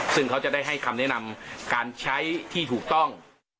ซึ่งเขาจะได้ให้คำแนะนำการใช้ที่ถูกต้อง